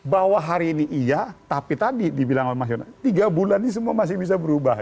bahwa hari ini iya tapi tadi dibilang oleh mas yona tiga bulan ini semua masih bisa berubah